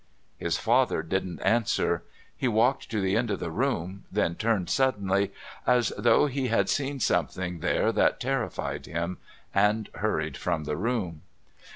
His father didn't answer. He walked to the end of the room, then turned suddenly as though he had seen something there that terrified him, and hurried from the room.